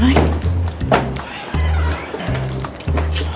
นี่